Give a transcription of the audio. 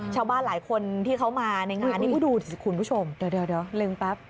ชาวบ้านหลายคนที่เขามาในงานนี้ก็ดูสิคุณผู้ชมเดี๋ยวลึงปั๊บ